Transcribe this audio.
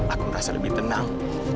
aku merasa lebih tenang